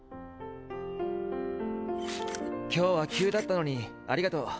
今日は急だったのにありがとう。